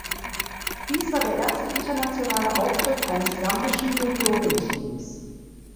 Dies war der erste internationale Auftritt eines gambischen Juniorenteams.